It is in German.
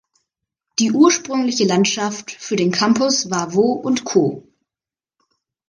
Die ursprüngliche Landschaft für den Campus war Vaux and Co.